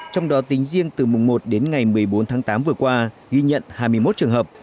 trong đó tính riêng từ mùng một đến ngày một mươi bốn tháng tám vừa qua ghi nhận hai mươi một trường hợp